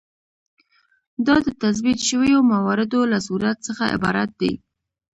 دا د تثبیت شویو مواردو له صورت څخه عبارت دی.